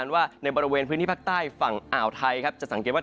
ว่าในบริเวณพื้นที่ภาคใต้ฝั่งอ่าวไทยครับจะสังเกตว่า